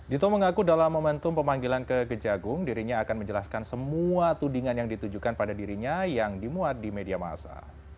dito mengaku dalam momentum pemanggilan ke kejagung dirinya akan menjelaskan semua tudingan yang ditujukan pada dirinya yang dimuat di media masa